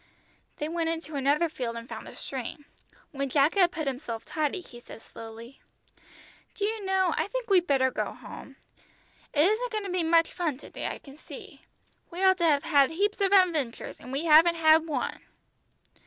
They went into another field and found a stream. When Jack had put himself tidy he said slowly "Do you know I think we'd better go home. It isn't going to be much fun to day, I can see. We ought to have had heaps of adventures, and we haven't had one."